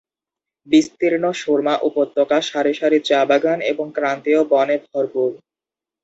বিস্তীর্ণ সুরমা উপত্যকা সারি সারি চা বাগান এবং ক্রান্তীয় বনে ভরপুর।